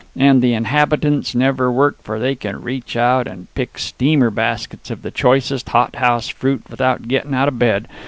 And the inhabitants never work, for they can reach out and pick steamer baskets of the choicest hothouse fruit without gettin' out of bed.